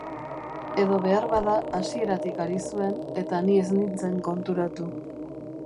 Edo beharbada hasieratik ari zuen, eta ni ez nintzen konturatu.